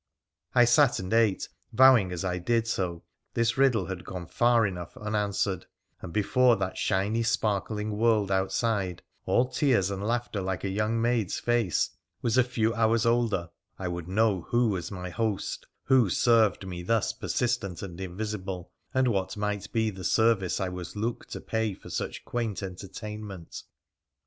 I sat and ate, vowing as I did so this riddle had gone far enough unanswered, and before that shiny, sparkling world outside (all tears and laughter like a young maid's face) was a few hours older I would know who was my host, who served me thus persistent and invisible, and what might be the service I was looked to to pay for such quaint entertainment.